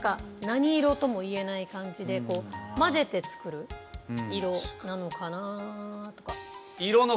何色とも言えない感じで混ぜて作る色なのかなとか。